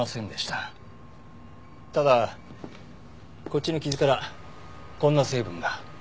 ただこっちの傷からこんな成分が。